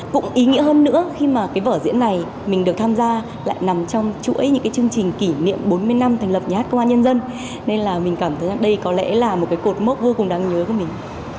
cũng ý nghĩa hơn nữa khi mà cái vở diễn này mình được tham gia lại nằm trong chuỗi những cái chương trình kỷ niệm bốn mươi năm thành lập nhà hát công an nhân dân nên là mình cảm thấy rằng đây có lẽ là một cái cột mốc vô cùng đáng nhớ của mình